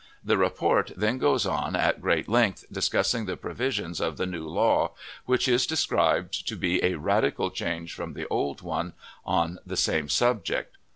The report then goes on at great length discussing the provisions. of the "new law," which is described to be a radical change from the old one on the same subject.